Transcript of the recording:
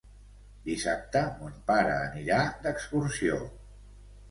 Dissabte mon pare anirà d'excursió.